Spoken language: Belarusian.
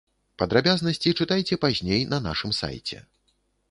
Падрабязнасці чытайце пазней на нашым сайце.